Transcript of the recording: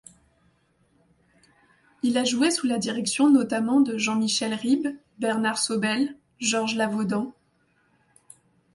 Il a joué sous la direction notamment de Jean-Michel Ribes, Bernard Sobel, Georges Lavaudant.